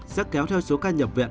sẽ kéo theo số ca nhập viện